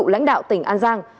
lãnh đạo tỉnh an giang